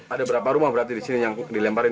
ada berapa rumah berarti disini yang dilemparin